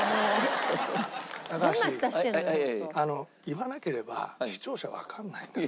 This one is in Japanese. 言わなければ視聴者わかんないんだから。